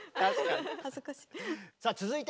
恥ずかしい。